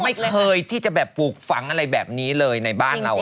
ไม่เคยที่จะแบบปลูกฝังอะไรแบบนี้เลยในบ้านเรา